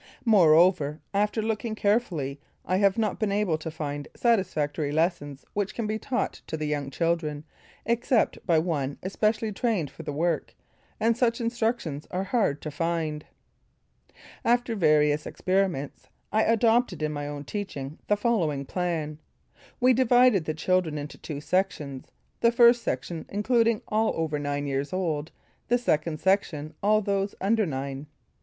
Moreover after looking carefully, I have not been able to find satisfactory lessons which can be taught to the young children except by one especially trained for the work; and such instructions are hard to find. After various experiments I adopted in my own teaching the following plan. We divided the children into two sections; the First Section including all over nine years old, the Second Section all those under nine.